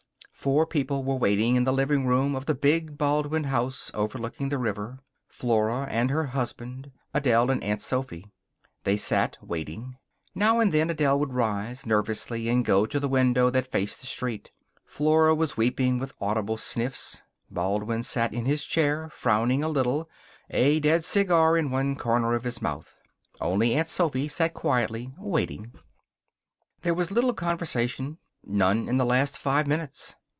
Four people were waiting in the living room of the big Baldwin house overlooking the river. Flora and her husband, Adele and Aunt Sophy. They sat, waiting. Now and then Adele would rise, nervously, and go to the window that faced the street. Flora was weeping with audible sniffs. Baldwin sat in his chair, frowning a little, a dead cigar in one corner of his mouth. Only Aunt Sophy sat quietly, waiting. There was little conversation. None in the last five minutes.